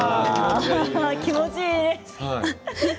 気持ちいい！